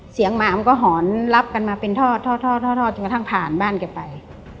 หมามันก็หอนรับกันมาเป็นทอดจนกระทั่งผ่านบ้านแกไป